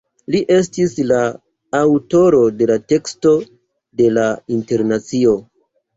Li estis la aŭtoro de la teksto de "La Internacio".